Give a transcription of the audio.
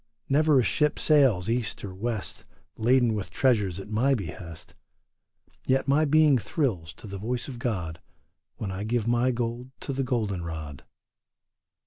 Never a ship sails east or west Laden with treasures at my behest, Yet my being thrills to the voice of God When I give my gold to the golden rod.